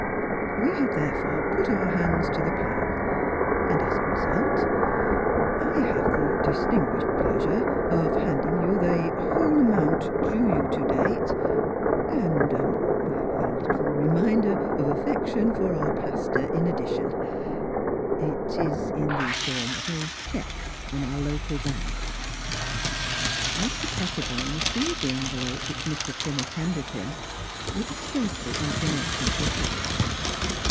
We have therefore put our hands to the plough and as a result I have the dis tinguished pleasure of handing you the whole amount due you to date and — er — a little reminder of our affection for our pastor in addition. It is — er — in the form of a check on our local bank." Mr. Pettibone received the envelope, which Mr Trimmer tendered him, with a stately inclination of the head.